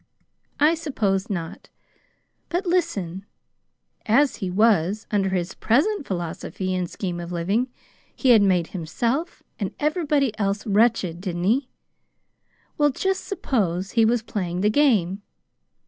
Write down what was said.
"I suppose not. But, listen! As he was, under his present philosophy and scheme of living, he made himself and everybody else wretched, didn't he? Well, just suppose he was playing the game.